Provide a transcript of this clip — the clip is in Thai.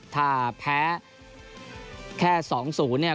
ถ้าแพ้แค่๒สูตรเนี่ย